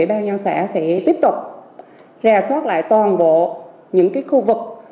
bà nhân xã sẽ tiếp tục rà soát lại toàn bộ những khu vực